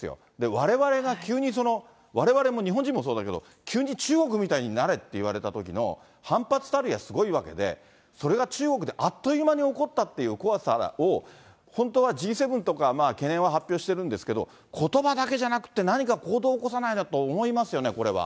われわれが急に、われわれも日本人もそうだけど、急に中国みたいになれって言われたときの反発たるやすごいわけで、それが中国であっという間に起こったっていう怖さを、本当はＧ７とか懸念は発表してるんですけど、ことばだけじゃなくて、何か行動を起こさないのと思いますよね、これは。